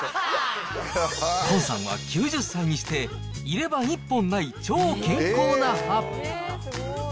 崑さんは９０歳にして、入れ歯１本ない超健康な歯。